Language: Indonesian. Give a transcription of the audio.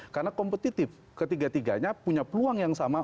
karena kompetitif ketiga tiganya punya peluang yang sama